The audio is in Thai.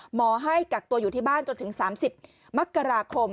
หมอให้กักตัวอยู่ที่บ้านจนถึง๓๐มกราคม